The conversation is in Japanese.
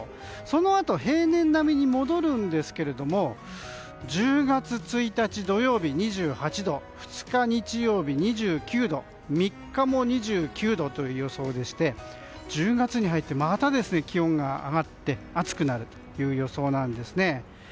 そのあと平年並みに戻るんですが１０月１日土曜日、２８度２日日曜日、２９度３日も２９度という予想でして１０月に入ってまた気温が上がり暑くなるという予想なんですね。